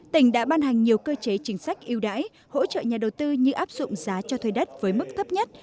tỉnh đã ban hành nhiều cơ chế chính sách yêu đãi hỗ trợ nhà đầu tư như áp dụng giá cho thuê đất với mức thấp nhất